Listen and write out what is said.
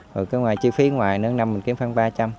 rồi cái chi phí ngoài nữa năm mình kiếm khoảng ba trăm linh